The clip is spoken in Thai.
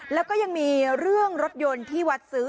แล้วก็ยังมีเรื่องรถยนต์ที่วัดซื้อ